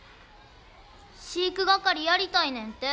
飼育係やりたいねんて。